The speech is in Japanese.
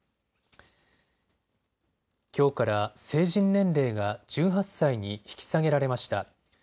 きょうから成人年齢が１８歳に引き下げられました。